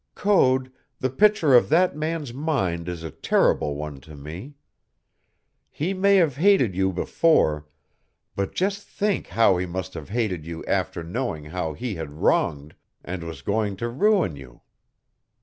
"Code, the picture of that man's mind is a terrible one to me. He may have hated you before, but just think how he must have hated you after knowing how he had wronged and was going to ruin you.